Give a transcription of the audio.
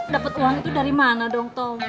dapat uang itu dari mana dong